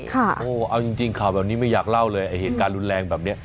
เอาจริงข่าวแบบนี้ไม่อยากเล่าเลยไอ้เหตุการณ์รุนแรงแบบนี้